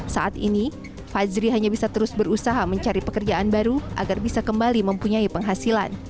saat ini fazri hanya bisa terus berusaha mencari pekerjaan baru agar bisa kembali mempunyai penghasilan